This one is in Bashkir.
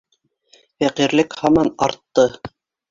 Фәҡирлек һаман артты.